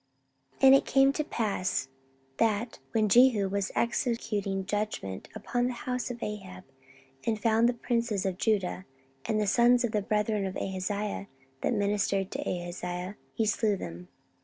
14:022:008 And it came to pass, that, when Jehu was executing judgment upon the house of Ahab, and found the princes of Judah, and the sons of the brethren of Ahaziah, that ministered to Ahaziah, he slew them.